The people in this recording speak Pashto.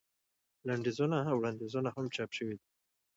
لنډیزونه او وړاندیزونه هم چاپ شوي دي.